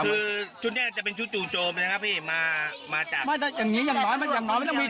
ผมไม่รู้ว่าเขาวางแผลกันยังไงนะคือผมไม่ได้เป็นตำรวจนะครับ